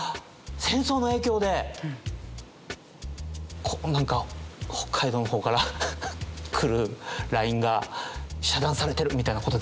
戦争の影響でなんか北海道の方から来るラインが遮断されてるみたいな事ですか？